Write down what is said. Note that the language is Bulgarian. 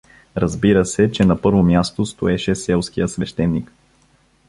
Разбира се, че на първо място стоеше селският свещеник.